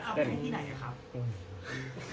เอาไปให้ที่ไหนอะค่ะ